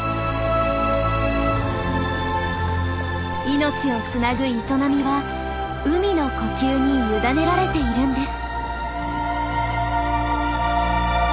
命をつなぐ営みは海の呼吸に委ねられているんです。